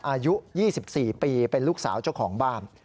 อายุ๒๔ปีเป็นลูกสาวเจ้าของบ้าน